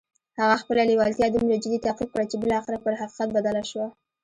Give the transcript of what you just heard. هغه خپله لېوالتیا دومره جدي تعقيب کړه چې بالاخره پر حقيقت بدله شوه.